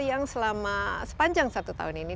yang selama sepanjang satu tahun ini